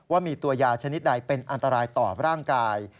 ว่ามีตัวยาชนิดใดเป็นอันตรายต่อร่างกาย